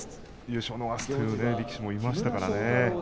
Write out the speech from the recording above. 優勝を逃すという力士もいましたからね。